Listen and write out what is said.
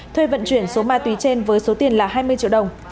thuê vận chuyển số ma túy trên với số tiền là hai mươi triệu đồng